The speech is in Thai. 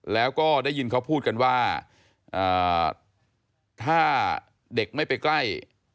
แล้วก็ได้ยินเขาพูดกันว่าถ้าเด็กไม่ไปใกล้